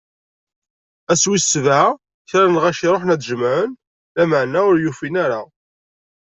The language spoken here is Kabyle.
Ass wis sebɛa, kra n lɣaci ṛuḥen ad d-jemɛen, lameɛna ur n-ufin ara.